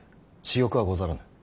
私欲はござらぬ。